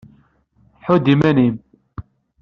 Ḥudd iman-im!